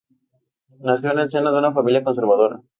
Nació en el seno de una familia conservadora.